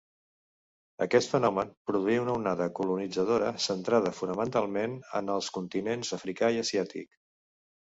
Aquest fenomen produí una onada colonitzadora centrada fonamentalment en els continents africà i asiàtic.